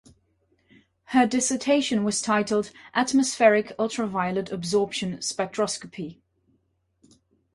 Her dissertation was titled "Atmospheric ultraviolet absorption spectroscopy".